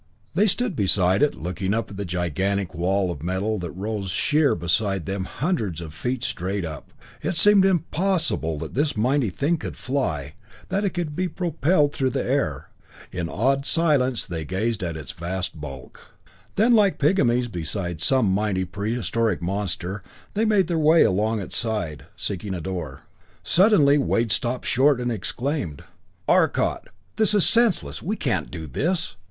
As they stood beside it, looking up at the gigantic wall of metal that rose sheer beside them hundreds of feet straight up, it seemed impossible that this mighty thing could fly, that it could be propelled through the air. In awed silence they gazed at its vast bulk. Then, like pygmies beside some mighty prehistoric monster, they made their way along its side, seeking a door. Suddenly Wade stopped short and exclaimed: "Arcot, this is senseless we can't do this!